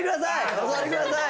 お座りください